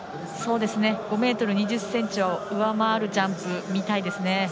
５ｍ２０ｃｍを上回るジャンプ、みたいですね。